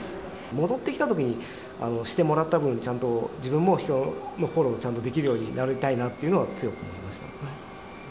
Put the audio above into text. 戻ってきたときに、してもらった分、ちゃんと自分も人のフォローがちゃんとできるようになりたいなっていうのは強く思いました。